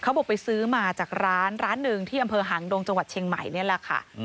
บอกไปซื้อมาจากร้านร้านหนึ่งที่อำเภอหางดงจังหวัดเชียงใหม่นี่แหละค่ะ